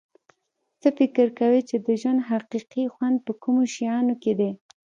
څه فکر کوی چې د ژوند حقیقي خوند په کومو شیانو کې ده